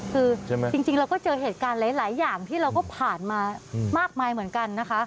คือจริงเราก็เจอเหตุการณ์หลายอย่างที่เราก็ผ่านมามากมายเหมือนกันนะคะ